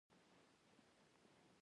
حقيقت کي ما پر تخت قبضه کول غوښته